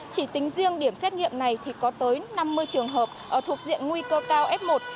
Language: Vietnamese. chỉ tính riêng điểm xét nghiệm này thì có tới năm mươi trường hợp thuộc diện nguy cơ cao f một